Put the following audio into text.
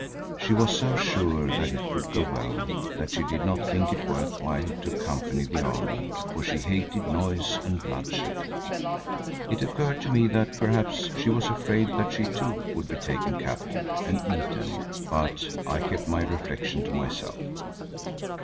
She was so sure that it would go well, that she did not think it worth while to accompany the army, for she hated noise and bloodshed. It occurred to me that perhaps she was afraid that she too would be taken captive and eaten, but I kept my reflection to myself.